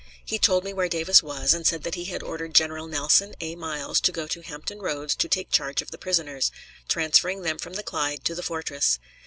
He told me where Davis was, and said that he had ordered General Nelson A. Miles to go to Hampton Roads to take charge of the prisoners, transferring them from the Clyde to the fortress.